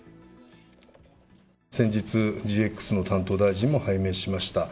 先日、ＧＸの担当大臣も拝命しました。